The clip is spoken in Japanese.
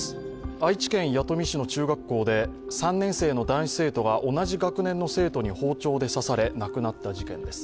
愛知県弥富市の中学校で３年生の男子生徒が同じ学年の生徒に包丁で刺され亡くなった事件です。